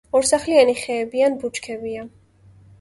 ორსახლიანი ხეები ან ბუჩქებია.